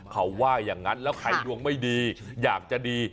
เขาว่าอย่างนั้นแล้วใครดวงไม่ดีอยากจะดี